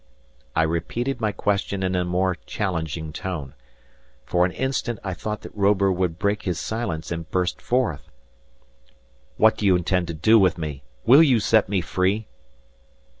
I repeated my question in a more challenging tone. For an instant I thought that Robur would break his silence and burst forth. "What do you intend to do with me? Will you set me free?"